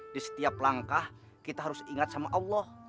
di setiap langkah kita harus ingat sama allah